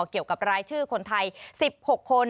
เกี่ยวกับรายชื่อคนไทย๑๖คน